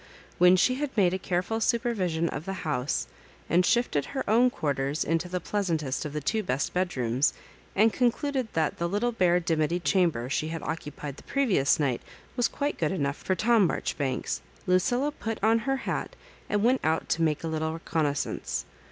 When she had made a care ful supervision of the house, and shifted her own quarters into the pleasantest of the two best bed rooms, and concluded that the little bare dimity chamber she had occupied the previous night was quite good enough for Tom Marjoribanks, Lucilla put on her hat and went out to make a little reconnaissance.